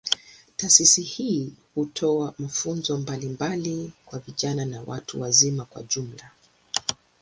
Taasisi hii hutoa mafunzo mbalimbali kwa vijana na watu wazima kwa ujumla.